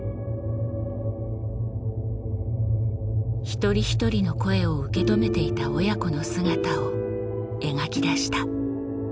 一人一人の声を受け止めていた親子の姿を描き出した。